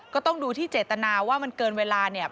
ก็ต้องดูที่เจตนาว่ามันเกินเวลาเนี่ย